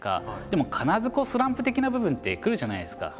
でも必ずスランプ的な部分って来るじゃないですか。